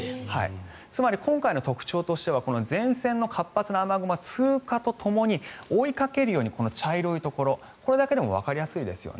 つまり、今回の特徴としては前線の活発な雨雲の通過とともに追いかけるように茶色いところこれだけでもわかりやすいですよね。